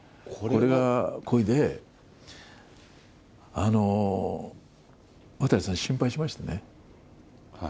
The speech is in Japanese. これは、これで、渡さん心配しましてね。